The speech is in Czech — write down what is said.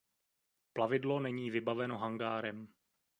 Plavidlo není vybaveno hangárem.